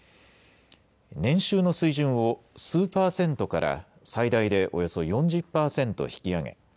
年収の水準を数％から最大でおよそ４０％引き上げ